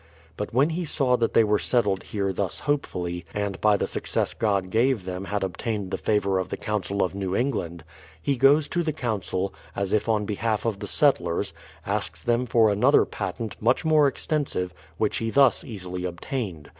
But when he saw that they were settled here thus hopefully, and by the THE PLYMOUTH SETTLEISIENT 119 success God gave them had obtained the favour of the Council of New England, he goes to the Council, as if on behalf of the settlers — asks them for another patent, much more extensive, which he thus easily obtained.